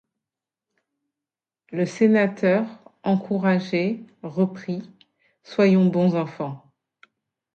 Le sénateur, encouragé, reprit: — Soyons bons enfants.